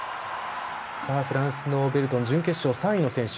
フランスのベルトン準決勝３位の選手。